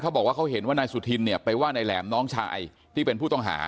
ที่เกิดเกิดเหตุอยู่หมู่๖บ้านน้ำผู้ตะมนต์ทุ่งโพนะครับที่เกิดเกิดเหตุอยู่หมู่๖บ้านน้ำผู้ตะมนต์ทุ่งโพนะครับ